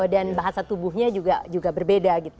dan bahasa tubuhnya juga berbeda gitu